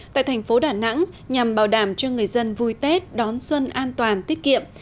tại thành phố đà nẵng nhằm bảo đảm cho người dân vui tết đón xuân an toàn tiết kiệm